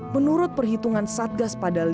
menurut perhitungan satgas padang